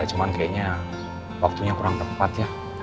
cuman kayaknya waktunya kurang tepat ya